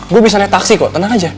gue bisa naik taksi kok tenang aja